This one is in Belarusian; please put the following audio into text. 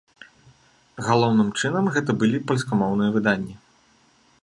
Галоўным чынам, гэта былі польскамоўныя выданні.